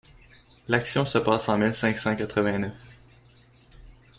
L’action se passe en mille cinq cent quatre-vingt-neuf.